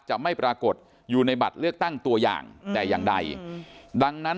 จะไม่ปรากฏอยู่ในบัตรเลือกตั้งตัวอย่างแต่อย่างใดดังนั้น